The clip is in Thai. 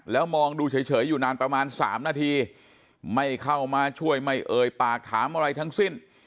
แล้วมองดูเฉยอยู่นานประมาณ๓นาทีไม่เข้ามาช่วยไม่เอ่ยปากถามอะไรทั้งสิ้น